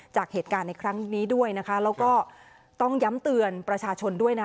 จากเหตุการณ์ในครั้งนี้ด้วยนะคะแล้วก็ต้องย้ำเตือนประชาชนด้วยนะ